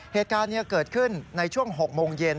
เหตุการณ์นี้เกิดขึ้นในช่วง๖โมงเย็น